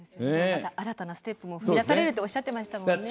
新たなステップに進まれるともおっしゃっていましたね。